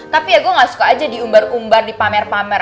tapi ya gue gak suka aja diumbar umbar di pamer pamer